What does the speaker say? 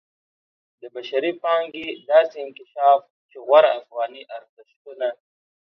د بشري پانګې داسې انکشاف چې غوره افغاني ارزښتونو